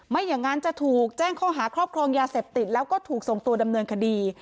ไม่อย่างนั้นจะถูกแจ้งข้อหาครอบครองยาเสพติดแล้วก็ถูกส่งตัวดำเนินคดี